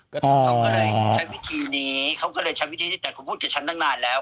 ก็เลยเขาก็เลยใช้วิธีนี้เขาก็เลยใช้วิธีที่แต่เขาพูดกับฉันตั้งนานแล้ว